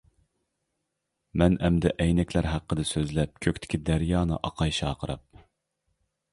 مەن ئەمدى ئەينەكلەر ھەققىدە سۆزلەپ كۆكتىكى دەريانى ئاقاي شارقىراپ.